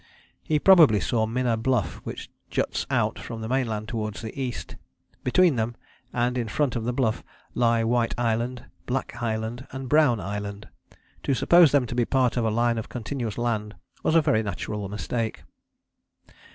He probably saw Minna Bluff, which juts out from the mainland towards the east. Between them, and in front of the Bluff, lie White Island, Black Island and Brown Island. To suppose them to be part of a line of continuous land was a very natural mistake.